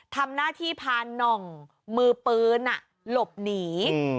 ทำหน้าที่พาน่องมือปืนหลบหนี